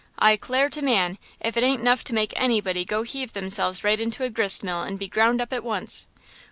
I 'clare to man, if it ain't nuff to make anybody go heave themselves right into a grist mill and be ground up at once."